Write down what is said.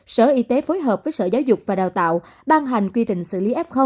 sở y tế phối hợp với sở giáo dục và đào tạo ban hành quy định xử lý f